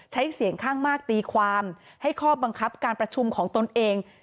เสียงข้างมากตีความให้ข้อบังคับการประชุมของตนเอง